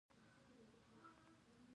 د اورګاډي پټلۍ به تر کابل راشي؟